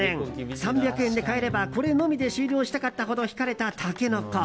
３００円で買えればこれのみで終了したかったほどひかれたタケノコ。